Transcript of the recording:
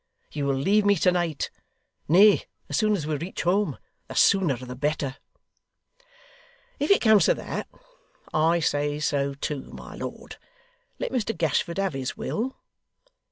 You will leave me to night nay, as soon as we reach home. The sooner the better.' 'If it comes to that, I say so too, my lord. Let Mr Gashford have his will.